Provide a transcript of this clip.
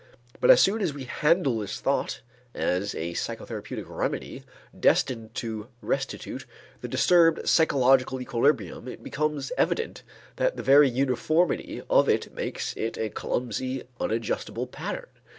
But as soon as we handle this thought as a psychotherapeutic remedy, destined to restitute the disturbed psychological equilibrium, it becomes evident that the very uniformity of it makes it a clumsy, inadjustable pattern.